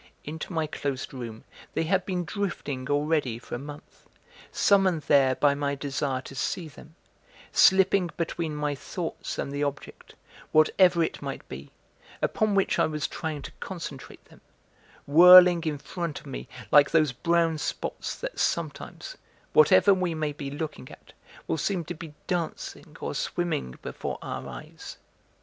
Into my closed room they had been drifting already for a month, summoned there by my desire to see them, slipping between my thoughts and the object, whatever it might be, upon which I was trying to concentrate them, whirling in front of me like those brown spots that sometimes, whatever we may be looking at, will seem to be dancing or swimming before our eyes.